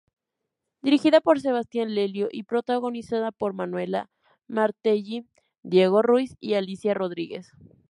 Dirigida por Sebastián Lelio y protagonizada por Manuela Martelli, Diego Ruiz y Alicia Rodríguez.